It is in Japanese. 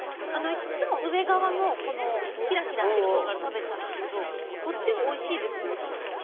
いっつも上側のヒラヒラしてるほうから食べてたんですけど、こっちおいしいですよって言われて。